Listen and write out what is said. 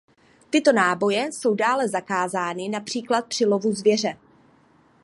Tyto náboje jsou dále zakázány například při lovu zvěře.